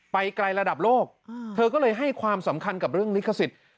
ไปไกลระดับโลกเธอก็เลยให้ความสำคัญกับเรื่องลิขสิทธิ์